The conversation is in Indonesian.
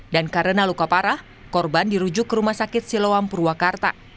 dan karena luka parah korban dirujuk ke rumah sakit siloam purwakarta